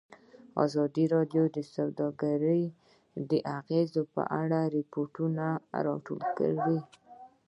ازادي راډیو د سوداګري د اغېزو په اړه ریپوټونه راغونډ کړي.